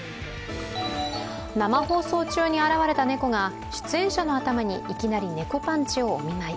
生放送中に現れた猫が出演者の頭にいきなり猫パンチをお見舞い。